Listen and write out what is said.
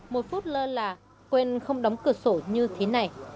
một phút lơ là quên không đóng cửa sổ như thế này